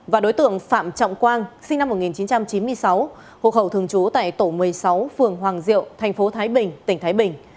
và đối tượng phạm trọng quang sinh năm một nghìn chín trăm chín mươi sáu hộ khẩu thường trú tại tổ một mươi sáu phường hoàng diệu tp thái bình tỉnh thái bình